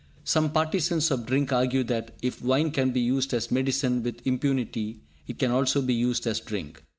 Some partisans of drink argue that, if wine can be used as medicine with impunity, it can also be used as drink.